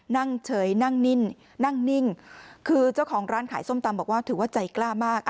นั่งเฉยนั่งนิ่งนั่งนิ่งคือเจ้าของร้านขายส้มตำบอกว่าถือว่าใจกล้ามาก